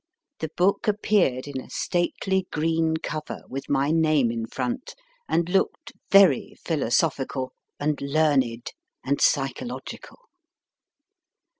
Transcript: The book appeared in a stately green cover, with my name in front, and looked very philo sophical, and learned, and psy chological.